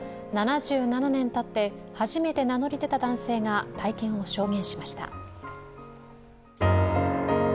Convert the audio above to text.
７７年たって初めて名乗り出た男性が体験を証言しました。